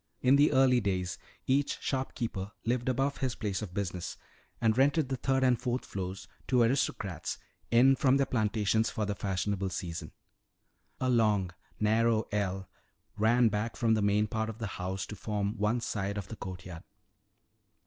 In the early days each shopkeeper lived above his place of business and rented the third and fourth floors to aristocrats in from their plantations for the fashionable season. A long, narrow ell ran back from the main part of the house to form one side of the courtyard.